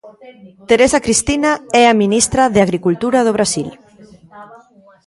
Tereza Cristina é a ministra de agricultura do Brasil.